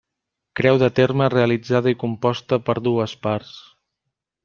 Creu de terme realitzada i composta per dues parts.